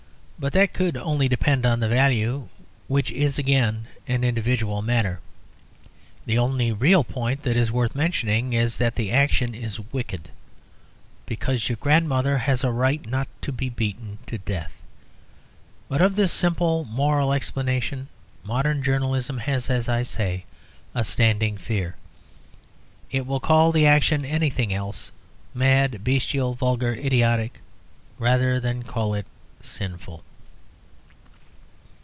But that could only depend on the value, which is again an individual matter. The only real point that is worth mentioning is that the action is wicked, because your grandmother has a right not to be beaten to death. But of this simple moral explanation modern journalism has, as I say, a standing fear. It will call the action anything else mad, bestial, vulgar, idiotic, rather than call it sinful.